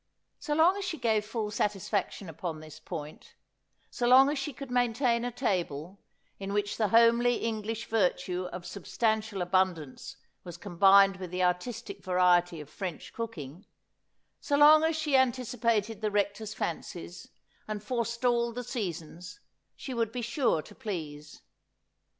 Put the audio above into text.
So long as she gave full satisfaction upon this point ; so long as she could maintain a table, in which the homely English virtue of substantial abundance was combined with the artistic variety of French cooking ; so long as she anticipated the Rector's fancies, and forestalled the seasons, she would be sure to please.